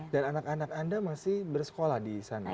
dan anak anak anda masih bersekolah di sana